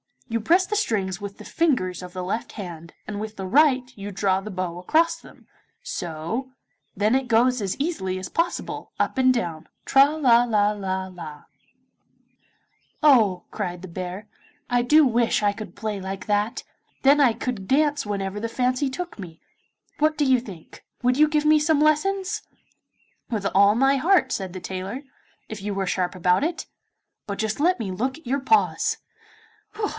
you press the strings with the fingers of the left hand, and with the right, you draw the bow across them, so then it goes as easily as possible, up and down, tra la la la la ' 'Oh,' cried the bear, 'I do wish I could play like that, then I could dance whenever the fancy took me. What do you think? Would you give me some lessons?' 'With all my heart,' said the tailor, 'if you are sharp about it. But just let me look at your paws.